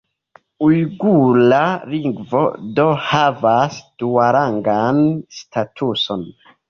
Ujgura lingvo do havas duarangan statuson.